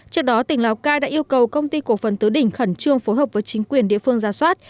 trước đó tỉnh lào cai đã yêu cầu công ty cổ phần tứ đỉnh khẩn trương phối hợp với chính quyền địa phương ra soát